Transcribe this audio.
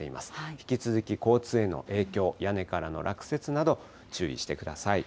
引き続き交通への影響、屋根からの落雪など、注意してください。